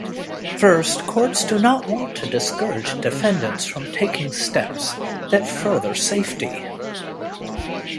First, courts do not want to discourage defendants from taking steps that further safety.